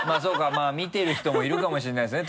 まぁ見てる人もいるかもしれないですね？